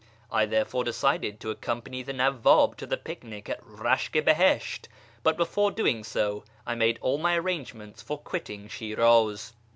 I therefore decided to accompany the Nawwab to the picnic at Eashk i Biliklit ; but before doing so I made all my arrange ments for quitting Shiniz.